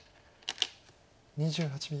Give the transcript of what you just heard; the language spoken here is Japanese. ２８秒。